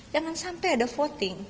jangan sampai ada voting